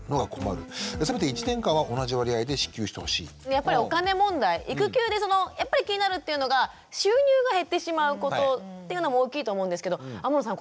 やっぱりお金問題育休でやっぱり気になるっていうのが収入が減ってしまうことっていうのも大きいと思うんですけど天野さん